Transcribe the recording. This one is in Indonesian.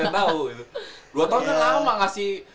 tahu dua tahun kan lama ngasih